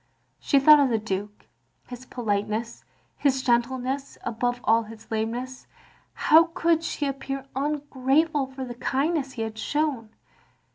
She thought of the Duke, his politeness, his gentleness, above all his lameness. How could she appear ungrateful for the kindness he had shown?